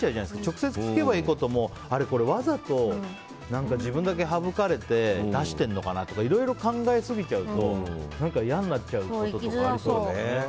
直接聞けばいいこともあれ、これわざと自分だけ省かれて出しているのかなとかいろいろ考えすぎちゃうと嫌になっちゃうことがありそう。